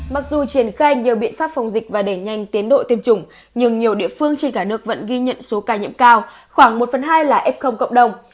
mặc dù triển khai nhiều biện pháp phòng dịch và đẩy nhanh tiến độ tiêm chủng nhưng nhiều địa phương trên cả nước vẫn ghi nhận số ca nhiễm cao khoảng một phần hai là f cộng đồng